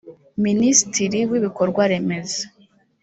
minisitiri w ibikorwa remezo